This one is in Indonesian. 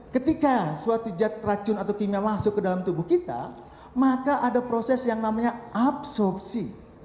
ketika suatu zat racun atau kimia masuk ke dalam tubuh kita maka ada proses yang namanya absorpsi